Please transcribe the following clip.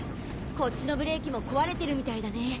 こっちのブレーキも壊れてるみたいだね。